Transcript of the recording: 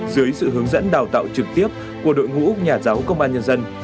dưới sự hướng dẫn đào tạo trực tiếp của đội ngũ nhà giáo công an nhân dân